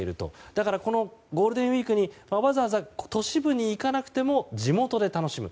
だから、ゴールデンウィークにわざわざ都市部に行かなくても地元で楽しむ。